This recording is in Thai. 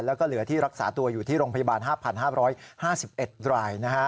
แล้วก็เหลือที่รักษาตัวอยู่ที่โรงพยาบาล๕๕๑ราย